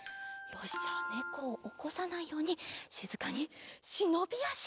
よしじゃあねこをおこさないようにしずかにしのびあし。